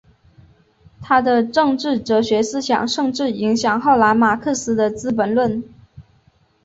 他的政治哲学思想甚至影响后来马克思的资本论。